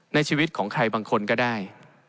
ในชีวิตของใครบางคนก็ได้